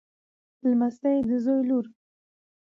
لمسۍ د زوی لور.